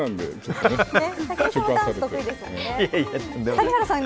谷原さん